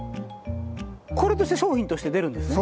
これとして商品として出るんですね。